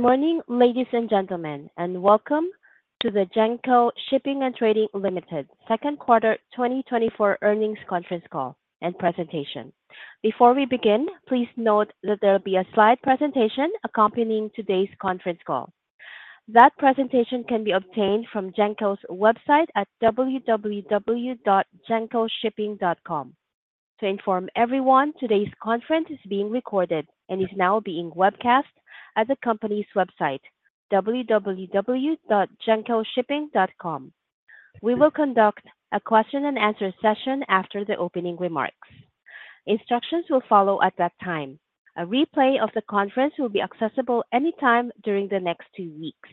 Good morning, ladies and gentlemen, and welcome to the Genco Shipping & Trading Limited Second Quarter 2024 Earnings Conference Call and Presentation. Before we begin, please note that there will be a slide presentation accompanying today's conference call. That presentation can be obtained from Genco's website at www.gencoshipping.com. To inform everyone, today's conference is being recorded and is now being webcast at the company's website, www.gencoshipping.com. We will conduct a question and answer session after the opening remarks. Instructions will follow at that time. A replay of the conference will be accessible anytime during the next two weeks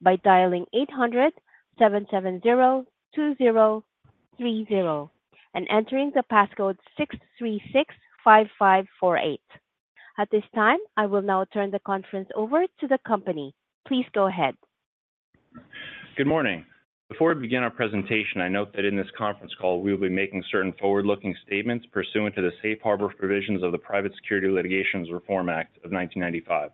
by dialing 800-770-2030 and entering the passcode 6365548. At this time, I will now turn the conference over to the company. Please go ahead. Good morning. Before we begin our presentation, I note that in this conference call, we will be making certain forward-looking statements pursuant to the Safe Harbor Provisions of the Private Securities Litigation Reform Act of 1995.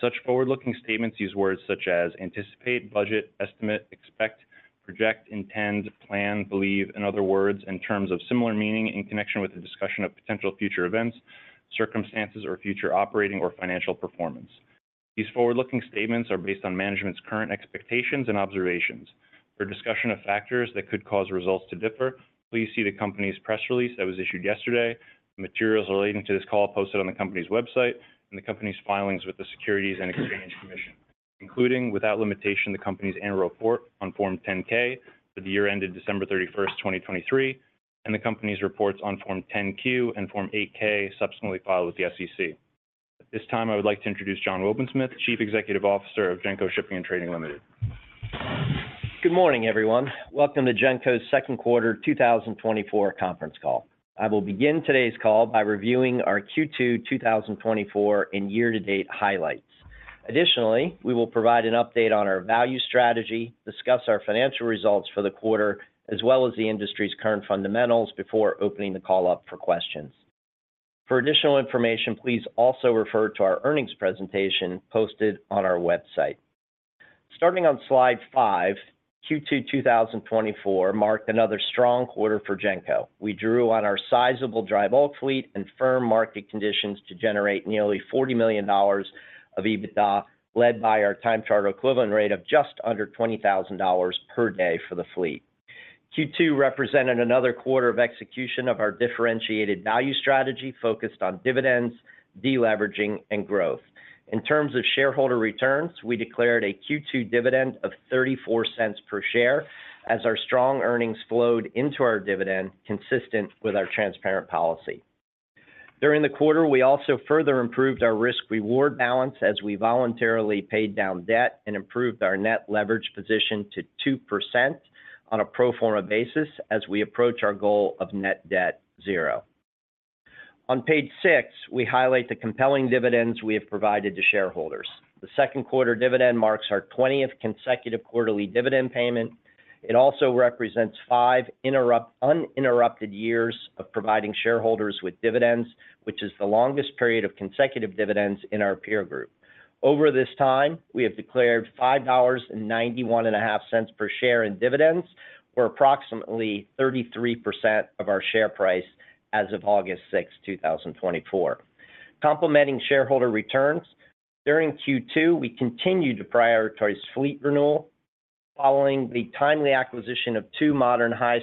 Such forward-looking statements use words such as: anticipate, budget, estimate, expect, project, intend, plan, believe, and other words and terms of similar meaning in connection with the discussion of potential future events, circumstances, or future operating or financial performance. These forward-looking statements are based on management's current expectations and observations. For discussion of factors that could cause results to differ, please see the company's press release that was issued yesterday, materials relating to this call posted on the company's website, and the company's filings with the Securities and Exchange Commission, including, without limitation, the company's annual report on Form 10-K for the year ended December 31, 2023, and the company's reports on Form 10-Q and Form 8-K, subsequently filed with the SEC. At this time, I would like to introduce John C. Wobensmith, Chief Executive Officer of Genco Shipping & Trading Limited. Good morning, everyone. Welcome to Genco's Second Quarter 2024 conference call. I will begin today's call by reviewing our Q2/2024 and year-to-date highlights. Additionally, we will provide an update on our value strategy, discuss our financial results for the quarter, as well as the industry's current fundamentals, before opening the call up for questions. For additional information, please also refer to our earnings presentation posted on our website. Starting on slide 5, Q2 2024 marked another strong quarter for Genco. We drew on our sizable dry bulk fleet and firm market conditions to generate nearly $40 million of EBITDA, led by our time charter equivalent rate of just under $20,000 per day for the fleet. Q2 represented another quarter of execution of our differentiated value strategy, focused on dividends, deleveraging, and growth. In terms of shareholder returns, we declared a Q2 dividend of $0.34 per share as our strong earnings flowed into our dividend, consistent with our transparent policy. During the quarter, we also further improved our risk-reward balance as we voluntarily paid down debt and improved our net leverage position to 2% on a pro forma basis as we approach our goal of net debt zero. On page 6, we highlight the compelling dividends we have provided to shareholders. The second quarter dividend marks our 20th consecutive quarterly dividend payment. It also represents 5 uninterrupted years of providing shareholders with dividends, which is the longest period of consecutive dividends in our peer group. Over this time, we have declared $5.915 per share in dividends, or approximately 33% of our share price as of August 6, 2024. Complementing shareholder returns, during Q2, we continued to prioritize fleet renewal. Following the timely acquisition of two modern, high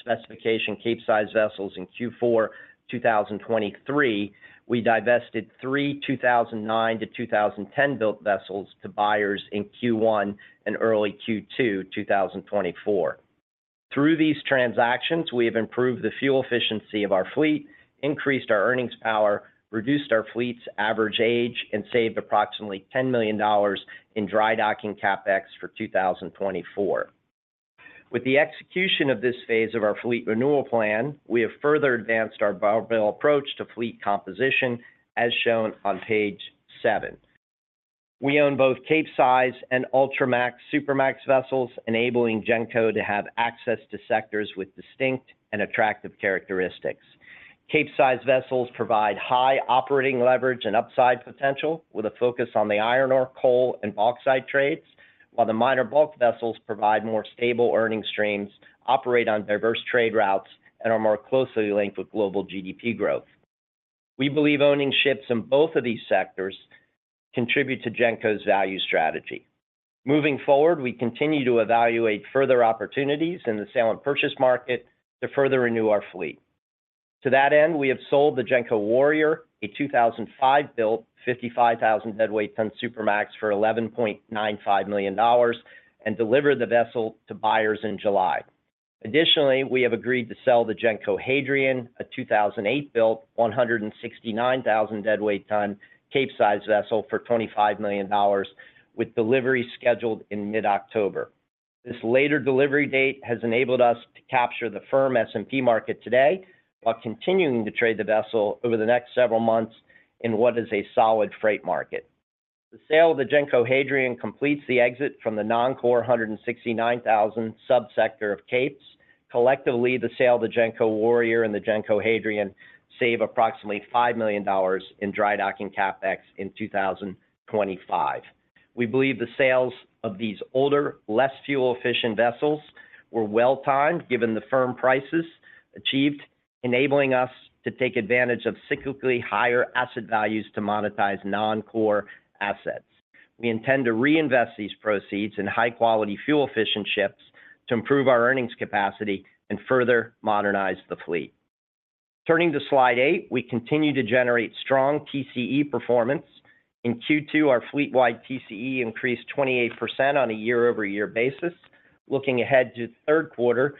specification Capesize vessels in Q4 2023, we divested three 2009-2010-built vessels to buyers in Q1 and early Q2 2024. Through these transactions, we have improved the fuel efficiency of our fleet, increased our earnings power, reduced our fleet's average age, and saved approximately $10 million in dry docking CapEx for 2024. With the execution of this phase of our fleet renewal plan, we have further advanced our barbell approach to fleet composition, as shown on page 7. We own both Capesize and Ultramax, Supramax vessels, enabling Genco to have access to sectors with distinct and attractive characteristics. Capesize vessels provide high operating leverage and upside potential, with a focus on the iron ore, coal, and bauxite trades, while the minor bulk vessels provide more stable earning streams, operate on diverse trade routes, and are more closely linked with global GDP growth. We believe owning ships in both of these sectors contribute to Genco's value strategy. Moving forward, we continue to evaluate further opportunities in the sale and purchase market to further renew our fleet. To that end, we have sold the Genco Warrior, a 2005-built, 55,000 deadweight ton Supramax for $11.95 million and delivered the vessel to buyers in July. Additionally, we have agreed to sell the Genco Hadrian, a 2008-built, 169,000 deadweight ton Capesize vessel for $25 million, with delivery scheduled in mid-October. This later delivery date has enabled us to capture the firm S&P market today, while continuing to trade the vessel over the next several months in what is a solid freight market. The sale of the Genco Hadrian completes the exit from the non-core 169,000 subsector of Capesize. Collectively, the sale of the Genco Warrior and the Genco Hadrian save approximately $5 million in dry docking CapEx in 2025. We believe the sales of these older, less fuel-efficient vessels were well-timed, given the firm prices achieved, enabling us to take advantage of cyclically higher asset values to monetize non-core assets. We intend to reinvest these proceeds in high-quality, fuel-efficient ships to improve our earnings capacity and further modernize the fleet. Turning to Slide 8, we continue to generate strong TCE performance. In Q2, our fleet-wide TCE increased 28% on a year-over-year basis. Looking ahead to the third quarter,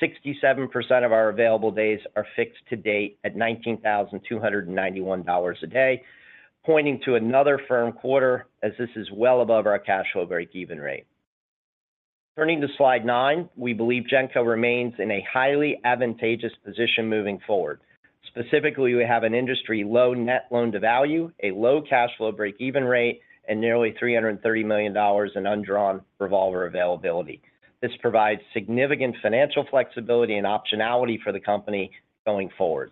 67% of our available days are fixed to date at $19,291 a day, pointing to another firm quarter as this is well above our cash flow breakeven rate. Turning to Slide 9, we believe Genco remains in a highly advantageous position moving forward. Specifically, we have an industry-low net loan-to-value, a low cash flow breakeven rate, and nearly $330 million in undrawn revolver availability. This provides significant financial flexibility and optionality for the company going forward.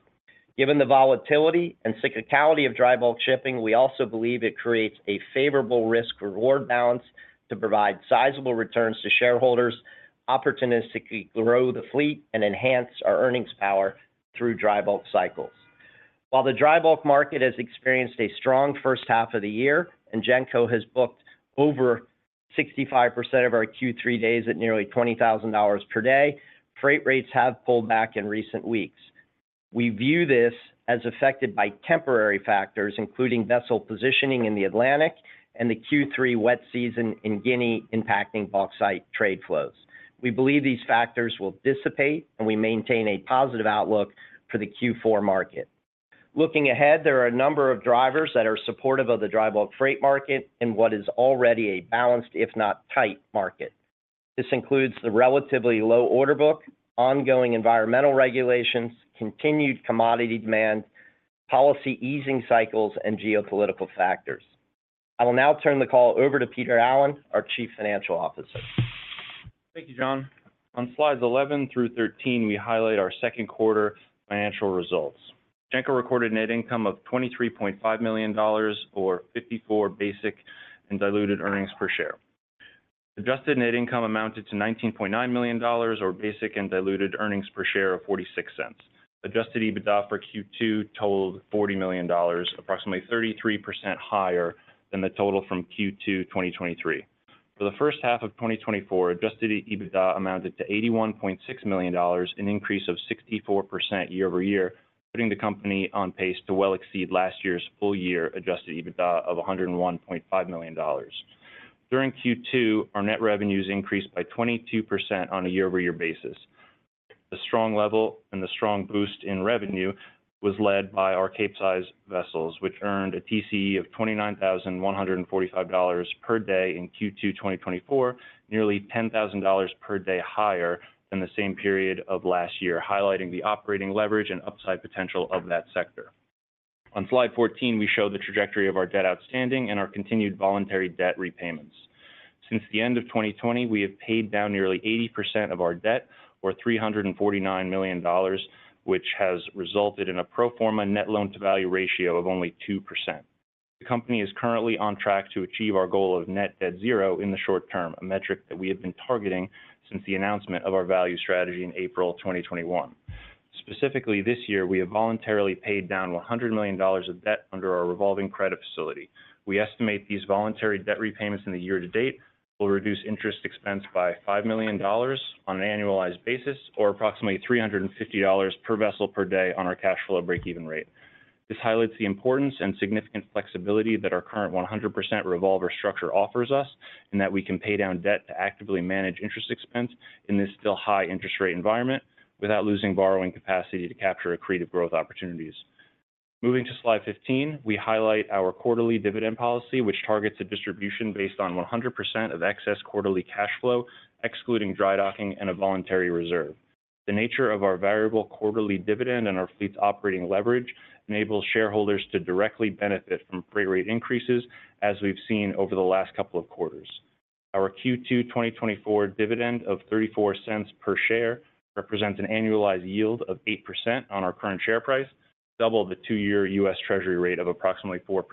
Given the volatility and cyclicality of dry bulk shipping, we also believe it creates a favorable risk/reward balance to provide sizable returns to shareholders, opportunistically grow the fleet, and enhance our earnings power through dry bulk cycles. While the dry bulk market has experienced a strong first half of the year, and Genco has booked over 65% of our Q3 days at nearly $20,000 per day, freight rates have pulled back in recent weeks. We view this as affected by temporary factors, including vessel positioning in the Atlantic and the Q3 wet season in Guinea, impacting bauxite trade flows. We believe these factors will dissipate, and we maintain a positive outlook for the Q4 market. Looking ahead, there are a number of drivers that are supportive of the dry bulk freight market in what is already a balanced, if not tight, market. This includes the relatively low order book, ongoing environmental regulations, continued commodity demand, policy easing cycles, and geopolitical factors. I will now turn the call over to Peter Allen, our Chief Financial Officer. Thank you, John. On Slides 11 through 13, we highlight our second quarter financial results. Genco recorded a net income of $23.5 million, or $0.54 basic and diluted earnings per share. Adjusted net income amounted to $19.9 million, or basic and diluted earnings per share of 46 cents. Adjusted EBITDA for Q2 totaled $40 million, approximately 33% higher than the total from Q2 2023. For the first half of 2024, adjusted EBITDA amounted to $81.6 million, an increase of 64% year-over-year, putting the company on pace to well exceed last year's full year adjusted EBITDA of $101.5 million. During Q2, our net revenues increased by 22% on a year-over-year basis. The strong level and the strong boost in revenue was led by our Capesize vessels, which earned a TCE of $29,145 per day in Q2 2024, nearly $10,000 per day higher than the same period of last year, highlighting the operating leverage and upside potential of that sector. On Slide 14, we show the trajectory of our debt outstanding and our continued voluntary debt repayments. Since the end of 2020, we have paid down nearly 80% of our debt, or $349 million, which has resulted in a pro forma net loan-to-value ratio of only 2%. The company is currently on track to achieve our goal of net debt zero in the short term, a metric that we have been targeting since the announcement of our value strategy in April 2021. Specifically, this year, we have voluntarily paid down $100 million of debt under our revolving credit facility. We estimate these voluntary debt repayments in the year to date will reduce interest expense by $5 million on an annualized basis, or approximately $350 per vessel per day on our cash flow breakeven rate. This highlights the importance and significant flexibility that our current 100% revolver structure offers us, and that we can pay down debt to actively manage interest expense in this still high interest rate environment without losing borrowing capacity to capture accretive growth opportunities. Moving to Slide 15, we highlight our quarterly dividend policy, which targets a distribution based on 100% of excess quarterly cash flow, excluding dry docking and a voluntary reserve. The nature of our variable quarterly dividend and our fleet's operating leverage enables shareholders to directly benefit from freight rate increases, as we've seen over the last couple of quarters. Our Q2 2024 dividend of $0.34 per share represents an annualized yield of 8% on our current share price, double the two-year US Treasury rate of approximately 4%.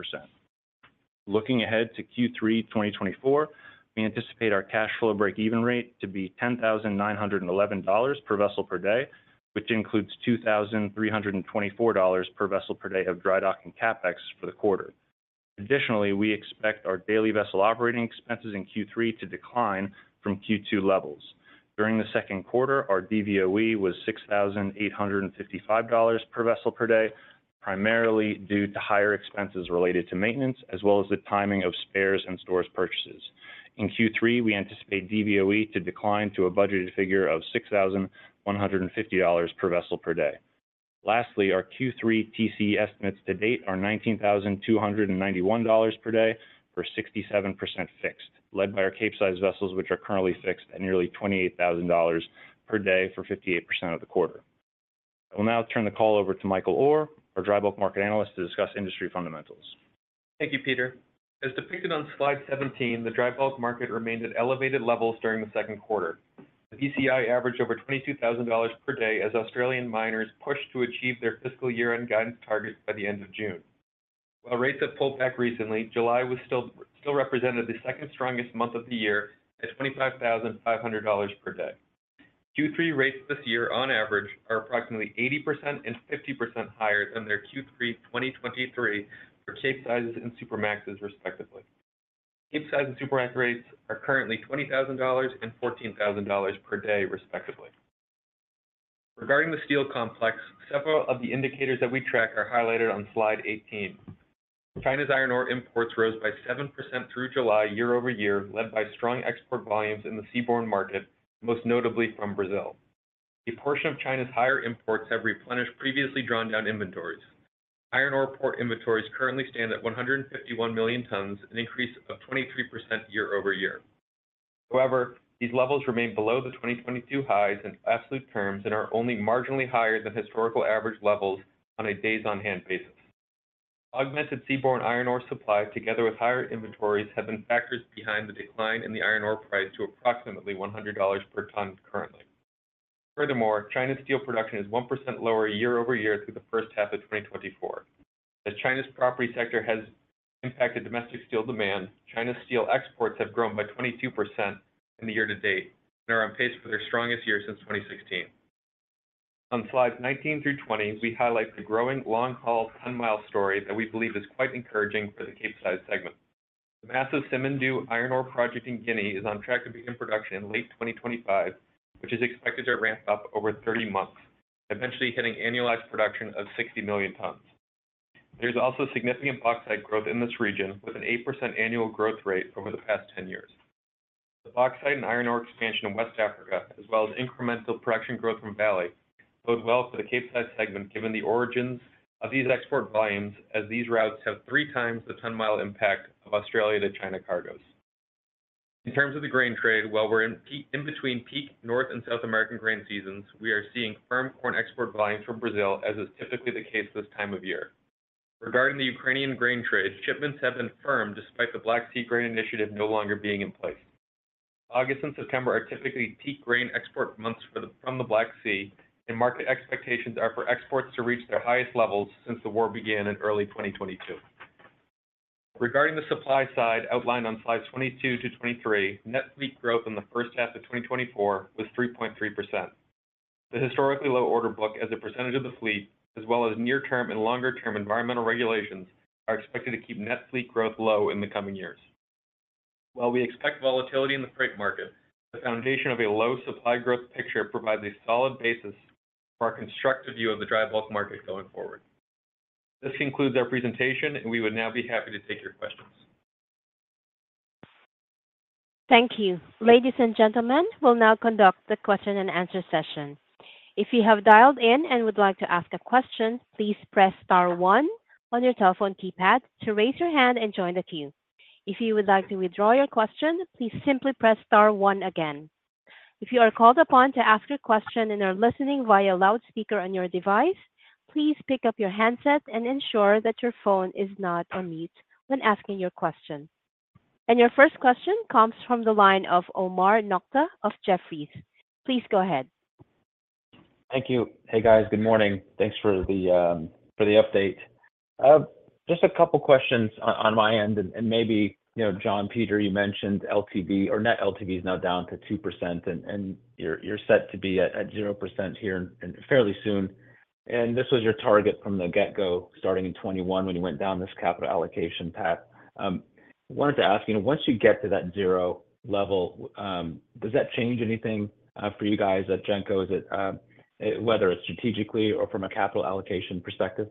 Looking ahead to Q3 2024, we anticipate our cash flow breakeven rate to be $10,911 per vessel per day, which includes $2,324 per vessel per day of dry docking CapEx for the quarter. Additionally, we expect our daily vessel operating expenses in Q3 to decline from Q2 levels. During the second quarter, our DVOE was $6,855 per vessel per day, primarily due to higher expenses related to maintenance, as well as the timing of spares and stores purchases. In Q3, we anticipate DVOE to decline to a budgeted figure of $6,150 per vessel per day. Lastly, our Q3 TCE estimates to date are $19,291 per day, for 67% fixed, led by our Capesize vessels, which are currently fixed at nearly $28,000 per day for 58% of the quarter. I will now turn the call over to Michael Orr, our drybulk market analyst, to discuss industry fundamentals. Thank you, Peter. As depicted on Slide 17, the drybulk market remained at elevated levels during the second quarter. The BCI averaged over $22,000 per day as Australian miners pushed to achieve their fiscal year-end guidance targets by the end of June. While rates have pulled back recently, July was still represented the second strongest month of the year at $25,500 per day. Q3 rates this year, on average, are approximately 80% and 50% higher than their Q3 2023 for Capesize and Supramaxes, respectively. Capesize and Supramax rates are currently $20,000 and $14,000 per day, respectively. Regarding the steel complex, several of the indicators that we track are highlighted on Slide 18. China's iron ore imports rose by 7% through July, year-over-year, led by strong export volumes in the seaborne market, most notably from Brazil. A portion of China's higher imports have replenished previously drawn down inventories. Iron ore port inventories currently stand at 151 million tons, an increase of 23% year-over-year. However, these levels remain below the 2022 highs in absolute terms and are only marginally higher than historical average levels on a days on hand basis. Augmented seaborne iron ore supply, together with higher inventories, have been factors behind the decline in the iron ore price to approximately $100 per ton currently. Furthermore, China's steel production is 1% lower year-over-year through the first half of 2024. As China's property sector has impacted domestic steel demand, China's steel exports have grown by 22% in the year to date and are on pace for their strongest year since 2016. On Slides 19 through 20, we highlight the growing long-haul ton mile story that we believe is quite encouraging for the Capesize segment. The massive Simandou iron ore project in Guinea is on track to begin production in late 2025, which is expected to ramp up over 30 months, eventually hitting annualized production of 60 million tons. There's also significant bauxite growth in this region, with an 8% annual growth rate over the past 10 years. The bauxite and iron ore expansion in West Africa, as well as incremental production growth from Vale, bode well for the Capesize segment, given the origins of these export volumes, as these routes have three times the ton-mile impact of Australia to China cargoes. In terms of the grain trade, while we're in between peak North and South American grain seasons, we are seeing firm corn export volumes from Brazil, as is typically the case this time of year. Regarding the Ukrainian grain trade, shipments have been firm despite the Black Sea Grain Initiative no longer being in place. August and September are typically peak grain export months from the Black Sea, and market expectations are for exports to reach their highest levels since the war began in early 2022. Regarding the supply side, outlined on Slides 22 to 23, net fleet growth in the first half of 2024 was 3.3%. The historically low order book as a percentage of the fleet, as well as near-term and longer-term environmental regulations, are expected to keep net fleet growth low in the coming years. While we expect volatility in the freight market, the foundation of a low supply growth picture provides a solid basis for our constructive view of the drybulk market going forward. This concludes our presentation, and we would now be happy to take your questions. Thank you. Ladies and gentlemen, we'll now conduct the question-and-answer session. If you have dialed in and would like to ask a question, please press star one on your telephone keypad to raise your hand and join the queue. If you would like to withdraw your question, please simply press star one again. If you are called upon to ask a question and are listening via loudspeaker on your device, please pick up your handset and ensure that your phone is not on mute when asking your question. Your first question comes from the line of Omar Nokta of Jefferies. Please go ahead. Thank you. Hey, guys. Good morning. Thanks for the, for the update. Just a couple questions on my end, and maybe, you know, John, Peter, you mentioned LTV or net LTV is now down to 2%, and you're set to be at 0% here and fairly soon, and this was your target from the get-go, starting in 2021 when you went down this capital allocation path. Wanted to ask, you know, once you get to that zero level, does that change anything for you guys at Genco? Is it whether it's strategically or from a capital allocation perspective?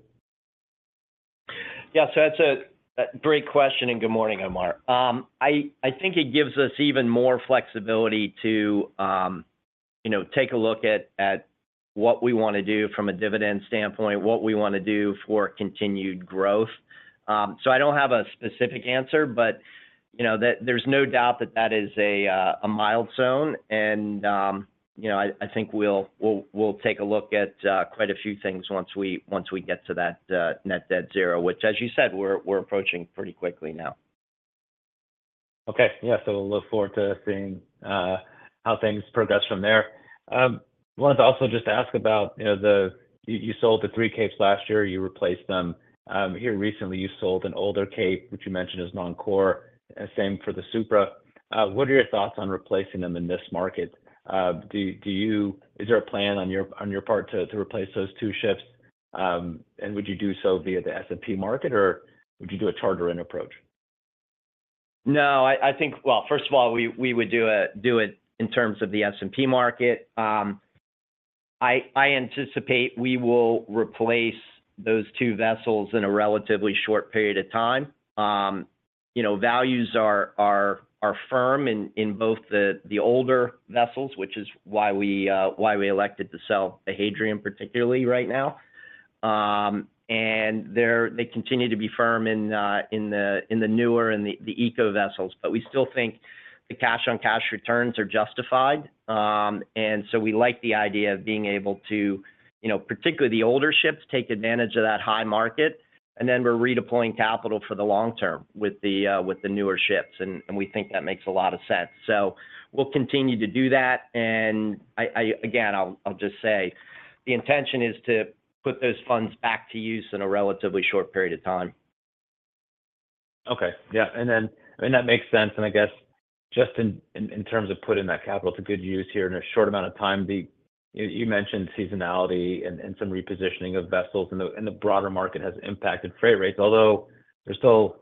Yeah, so that's a great question, and good morning, Omar. I think it gives us even more flexibility to, you know, take a look at what we want to do from a dividend standpoint, what we want to do for continued growth. So I don't have a specific answer, but, you know, that, there's no doubt that that is a milestone. And, you know, I think we'll take a look at quite a few things once we get to that net debt zero, which, as you said, we're approaching pretty quickly now. Okay. Yeah, so we'll look forward to seeing how things progress from there. Wanted to also just ask about, you know, the three Capes you sold last year. You replaced them. Here recently, you sold an older Cape, which you mentioned is non-core, and same for the Supra. What are your thoughts on replacing them in this market? Is there a plan on your part to replace those two ships? And would you do so via the S&P market, or would you do a charter-in approach? No, I think. Well, first of all, we would do it in terms of the S&P market. I anticipate we will replace those two vessels in a relatively short period of time. You know, values are firm in both the older vessels, which is why we elected to sell the Hadrian, particularly right now.... and they continue to be firm in the newer and the eco vessels. But we still think the cash-on-cash returns are justified. And so we like the idea of being able to, you know, particularly the older ships, take advantage of that high market, and then we're redeploying capital for the long term with the newer ships, and we think that makes a lot of sense. So we'll continue to do that. And I again, I'll just say, the intention is to put those funds back to use in a relatively short period of time. Okay. Yeah, and then, I mean, that makes sense, and I guess just in terms of putting that capital to good use here in a short amount of time, you mentioned seasonality and some repositioning of vessels, and the broader market has impacted freight rates, although they're still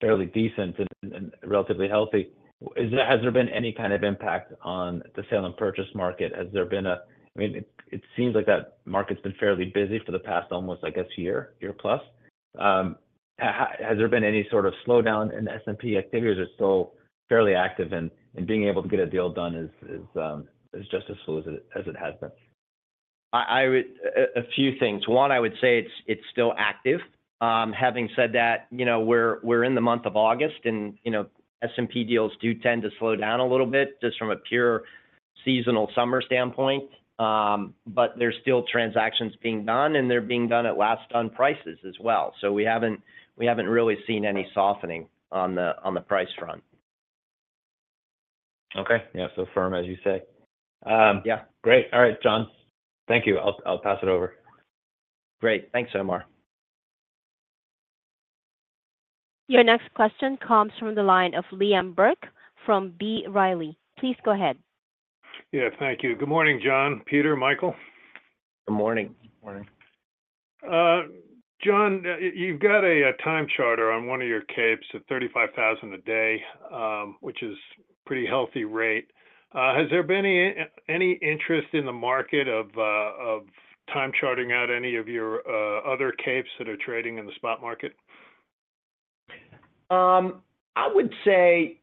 fairly decent and relatively healthy. Has there been any kind of impact on the sale and purchase market? Has there been a I mean, it seems like that market's been fairly busy for the past almost, I guess, year, year-plus. Has there been any sort of slowdown in S&P? I figure they're still fairly active, and being able to get a deal done is just as slow as it has been. A few things. One, I would say it's still active. Having said that, you know, we're in the month of August, and you know, S&P deals do tend to slow down a little bit, just from a pure seasonal summer standpoint. But there's still transactions being done, and they're being done at last-done prices as well. So we haven't really seen any softening on the price front. Okay. Yeah, so firm, as you say. Yeah, great. All right, John. Thank you. I'll pass it over. Great. Thanks, Omar. Your next question comes from the line of Liam Burke from B. Riley. Please go ahead. Yeah, thank you. Good morning, John, Peter, Michael. Good morning. Morning. John, you've got a time charter on one of your Capes at $35,000 a day, which is pretty healthy rate. Has there been any interest in the market of time charting out any of your other Capes that are trading in the spot market? I would say,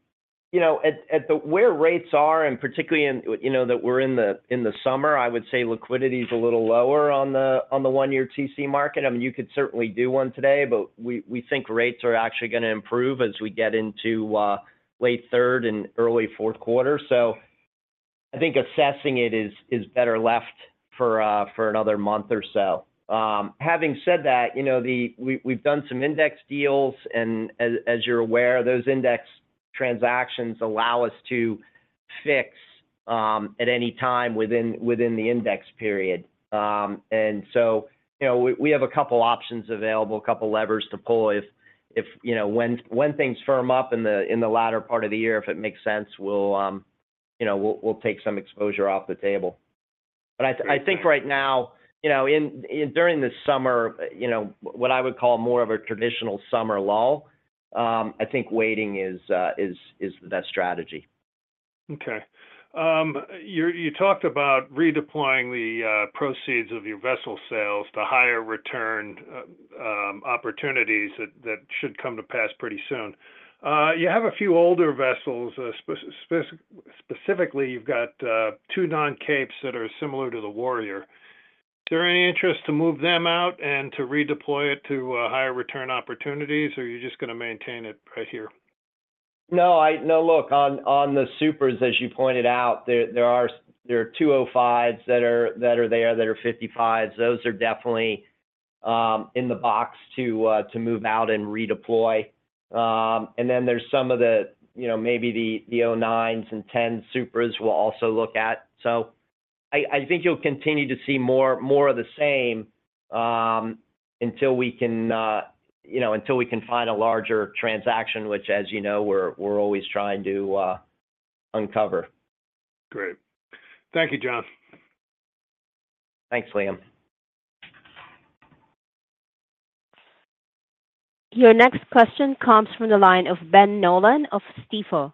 you know, at where rates are, and particularly in, you know, that we're in the summer, I would say liquidity is a little lower on the one-year TC market. I mean, you could certainly do one today, but we think rates are actually gonna improve as we get into late third and early fourth quarter. So I think assessing it is better left for another month or so. Having said that, you know, we, we've done some index deals, and as you're aware, those index transactions allow us to fix at any time within the index period. And so, you know, we have a couple options available, a couple levers to pull if, you know... When things firm up in the latter part of the year, if it makes sense, we'll, you know, we'll take some exposure off the table. But I think right now, you know, in during the summer, you know, what I would call more of a traditional summer lull, I think waiting is the best strategy. Okay. You talked about redeploying the proceeds of your vessel sales to higher return opportunities that should come to pass pretty soon. You have a few older vessels, specifically, you've got two non-Capes that are similar to the Warrior. Is there any interest to move them out and to redeploy it to higher return opportunities, or are you just gonna maintain it right here? No, no, look, on the supras, as you pointed out, there are two 2005s that are 2005s. Those are definitely in the box to move out and redeploy. And then there's some of the, you know, maybe the 2009s and 2010 supras we'll also look at. So I think you'll continue to see more of the same, until we can find a larger transaction, which, as you know, we're always trying to uncover. Great. Thank you, John. Thanks, Liam. Your next question comes from the line of Ben Nolan of Stifel.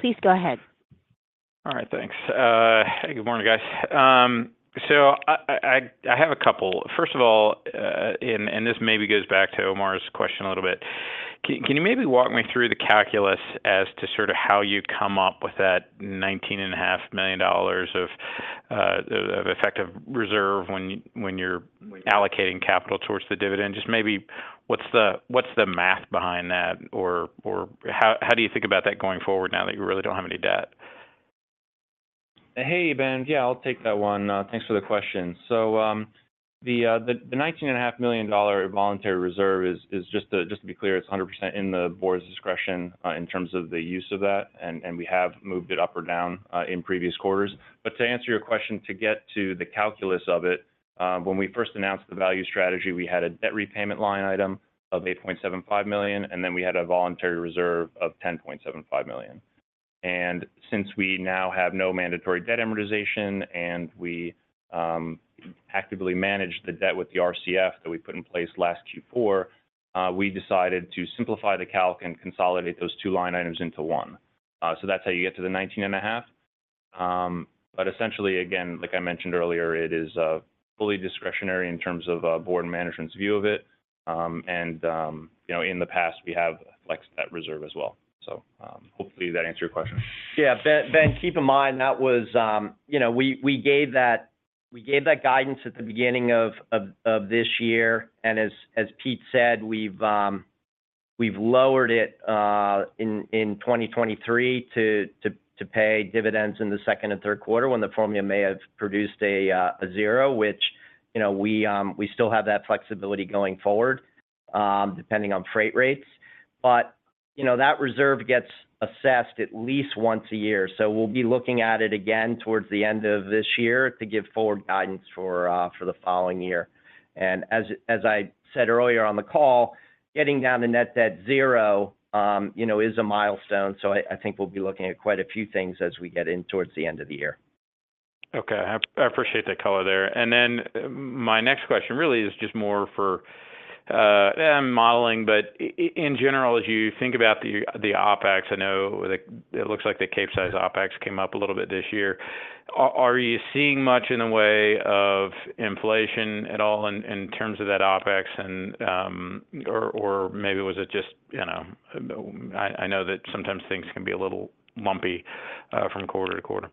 Please go ahead. All right, thanks. Good morning, guys. So I have a couple-first of all, and this maybe goes back to Omar's question a little bit. Can you maybe walk me through the calculus as to sort of how you come up with that $19.5 million of effective reserve when you're allocating capital towards the dividend? Just maybe what's the math behind that, or how do you think about that going forward now that you really don't have any debt? Hey, Ben. Yeah, I'll take that one. Thanks for the question. So, the $19.5 million voluntary reserve is just to be clear, it's 100% in the board's discretion in terms of the use of that, and we have moved it up or down in previous quarters. But to answer your question, to get to the calculus of it, when we first announced the value strategy, we had a debt repayment line item of $8.75 million, and then we had a voluntary reserve of $10.75 million. And since we now have no mandatory debt amortization and we actively manage the debt with the RCF that we put in place last Q4, we decided to simplify the calc and consolidate those two line items into one. So that's how you get to the 19.5. But essentially, again, like I mentioned earlier, it is fully discretionary in terms of board management's view of it. And you know, in the past, we have flexed that reserve as well. So hopefully that answers your question. Yeah. Ben, keep in mind, that was, you know, we gave that guidance at the beginning of this year, and as Pete said, we've lowered it in 2023 to pay dividends in the second and third quarter, when the formula may have produced a zero, which, you know, we still have that flexibility going forward, depending on freight rates. But, you know, that reserve gets assessed at least once a year. So we'll be looking at it again towards the end of this year to give forward guidance for the following year. As I said earlier on the call, getting down to net debt zero, you know, is a milestone, so I think we'll be looking at quite a few things as we get in towards the end of the year. Okay. I appreciate that color there. And then, my next question really is just more for modeling, but in general, as you think about the OpEx, I know, like, it looks like the Capesize OpEx came up a little bit this year. Are you seeing much in the way of inflation at all in terms of that OpEx, and or maybe was it just, you know... I know that sometimes things can be a little lumpy from quarter to quarter.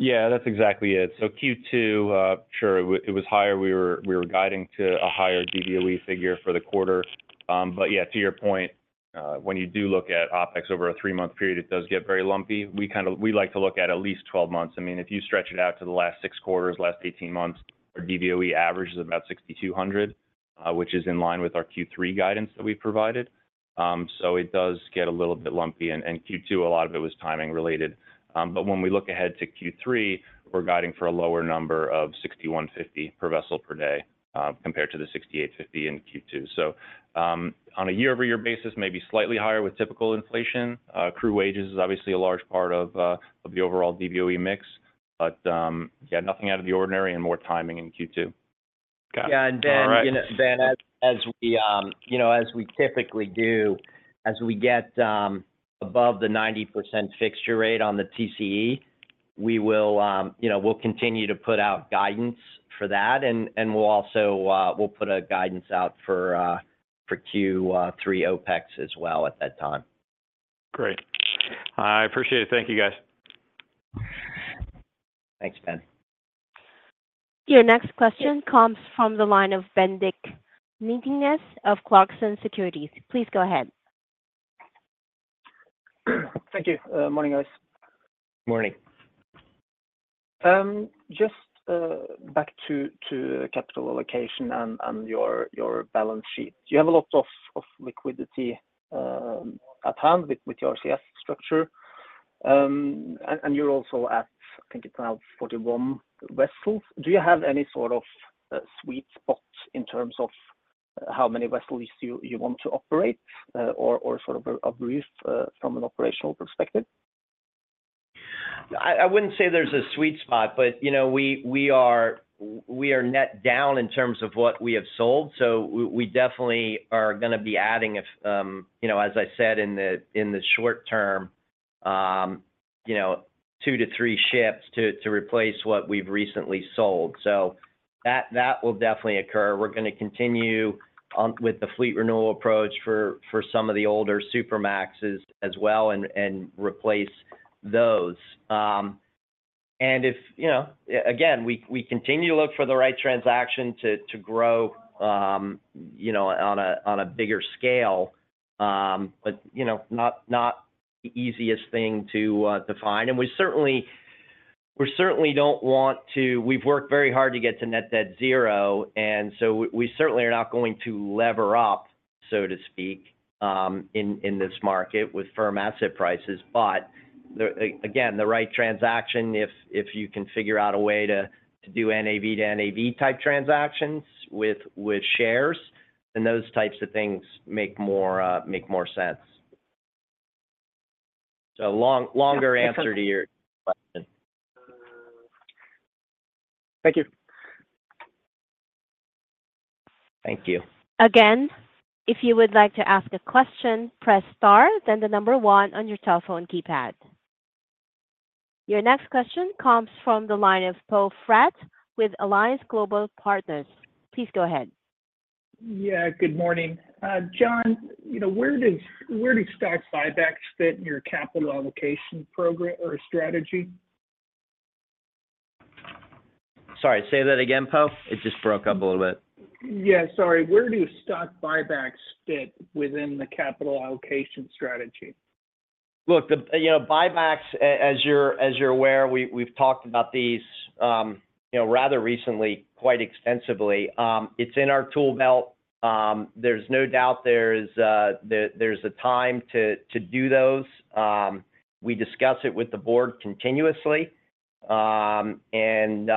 Yeah, that's exactly it. So Q2, sure, it was higher. We were guiding to a higher DVOE figure for the quarter. But yeah, to your point, when you do look at OpEx over a three-month period, it does get very lumpy. We like to look at at least 12 months. I mean, if you stretch it out to the last six quarters, last 18 months, our DVOE average is about $6,200, which is in line with our Q3 guidance that we provided. So it does get a little bit lumpy. And Q2, a lot of it was timing related. But when we look ahead to Q3, we're guiding for a lower number of $6,150 per vessel per day, compared to the $6,850 in Q2. So, on a year-over-year basis, maybe slightly higher with typical inflation. Crew wages is obviously a large part of, of the overall DVOE mix. But, yeah, nothing out of the ordinary and more timing in Q2. Got it. All right. Yeah, and then, you know, then as we typically do, as we get above the 90% fixture rate on the TCE, we will, you know, we'll continue to put out guidance for that, and we'll also put a guidance out for Q3 OpEx as well at that time. Great. I appreciate it. Thank you, guys. Thanks, Ben. Your next question comes from the line of Bendik Nilssen of Clarksons Securities. Please go ahead. Thank you. Morning, guys. Morning. Just back to capital allocation and your balance sheet. You have a lot of liquidity at hand with your CS structure. And you're also at, I think, it's now 41 vessels. Do you have any sort of sweet spots in terms of how many vessels you want to operate, or sort of a brief from an operational perspective? I wouldn't say there's a sweet spot, but, you know, we are net down in terms of what we have sold, so we definitely are gonna be adding, you know, as I said, in the short term, you know, 2-3 ships to replace what we've recently sold. So that will definitely occur. We're gonna continue on with the fleet renewal approach for some of the older Supermaxes as well and replace those. And if, you know, again, we continue to look for the right transaction to grow, you know, on a bigger scale, but, you know, not the easiest thing to find. We certainly don't want to—we've worked very hard to get to net debt zero, and so we certainly are not going to lever up, so to speak, in this market with firm asset prices. But again, the right transaction, if you can figure out a way to do NAV-to-NAV-type transactions with shares, then those types of things make more sense. So longer answer— Okay... to your question. Thank you. Thank you. Again, if you would like to ask a question, press star, then the number one on your telephone keypad. Your next question comes from the line of Poe Fratt with Alliance Global Partners. Please go ahead. Yeah, good morning. John, you know, where do stock buybacks fit in your capital allocation program or strategy? Sorry, say that again, Po? It just broke up a little bit. Yeah, sorry. Where do stock buybacks fit within the capital allocation strategy? Look, you know, buybacks, as you're aware, we've talked about these, you know, rather recently, quite extensively. It's in our tool belt. There's no doubt there's a time to do those. We discuss it with the board continuously. And,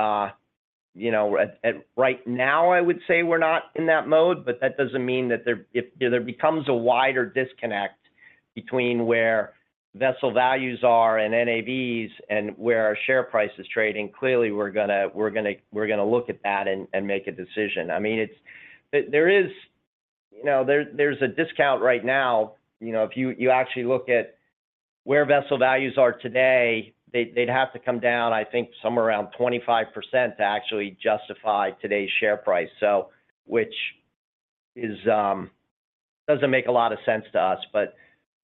you know, at right now, I would say we're not in that mode, but that doesn't mean that there... If there becomes a wider disconnect between where vessel values are and NAVs and where our share price is trading, clearly we're gonna look at that and make a decision. I mean, there is, you know, there's a discount right now, you know, if you actually look at where vessel values are today, they'd have to come down, I think, somewhere around 25% to actually justify today's share price. So, which is, doesn't make a lot of sense to us, but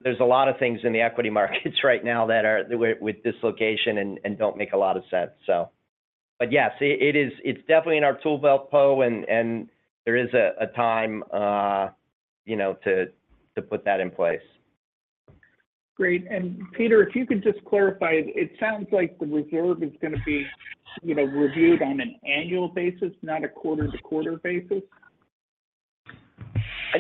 there's a lot of things in the equity markets right now that are with dislocation and don't make a lot of sense so.... But yes, it is, it's definitely in our tool belt, Poe, and there is a time, you know, to put that in place. Great. And Peter, if you could just clarify, it sounds like the reserve is gonna be, you know, reviewed on an annual basis, not a quarter-to-quarter basis?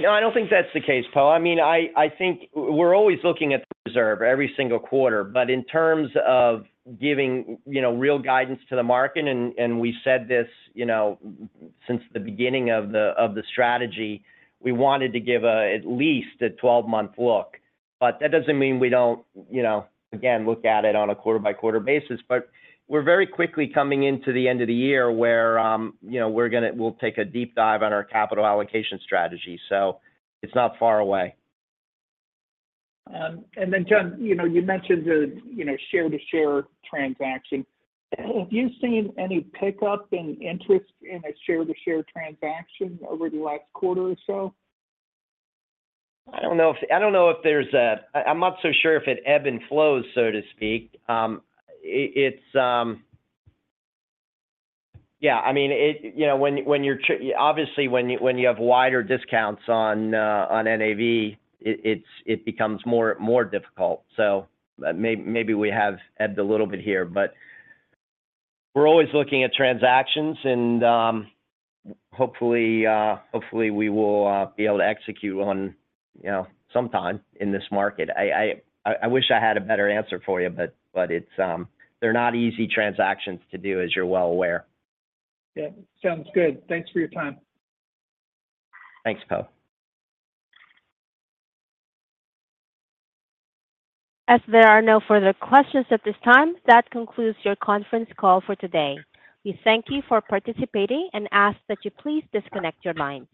No, I don't think that's the case, Poe. I mean, I think we're always looking at the reserve every single quarter. But in terms of giving, you know, real guidance to the market, and we said this, you know, since the beginning of the strategy, we wanted to give a, at least a 12-month look. But that doesn't mean we don't, you know, again, look at it on a quarter-by-quarter basis. But we're very quickly coming into the end of the year where, you know, we're gonna, we'll take a deep dive on our capital allocation strategy, so it's not far away. And then, John, you know, you mentioned the, you know, share-to-share transaction. Have you seen any pickup in interest in a share-to-share transaction over the last quarter or so? I don't know if there's a-- I'm not so sure if it ebb and flows, so to speak. It's... Yeah, I mean, it-- you know, when you're obviously when you have wider discounts on on NAV, it becomes more difficult. So maybe we have ebbed a little bit here. But we're always looking at transactions, and hopefully we will be able to execute on, you know, sometime in this market. I wish I had a better answer for you, but it's they're not easy transactions to do, as you're well aware. Yeah. Sounds good. Thanks for your time. Thanks, Poe. As there are no further questions at this time, that concludes your conference call for today. We thank you for participating and ask that you please disconnect your lines.